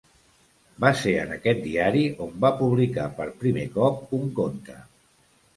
Va ser en aquest diari on va publicar per primer cop un conte.